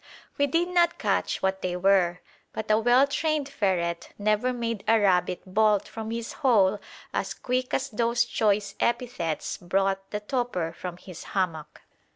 We did not catch what they were; but a well trained ferret never made a rabbit bolt from his hole as quick as those choice epithets brought the toper from his hammock.